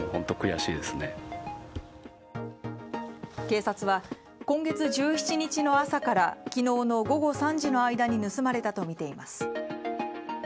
警察は今月１７日の朝から昨日の午後３時の間に盗まれたとみています。